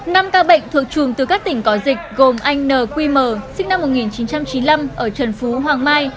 năm ca bệnh thuộc trùm từ các tỉnh có dịch gồm anh n q m sinh năm một nghìn chín trăm chín mươi năm ở trần phú hoàng mai